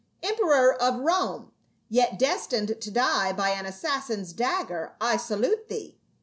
" Emperor of Rome, yet destined to die by an assassin's dagger, I salute thee."